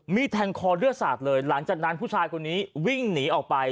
แทงคอเลือดสาดเลยหลังจากนั้นผู้ชายคนนี้วิ่งหนีออกไป